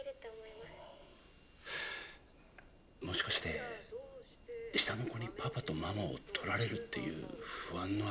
もしかして下の子にパパとママをとられるっていう不安の表れかも。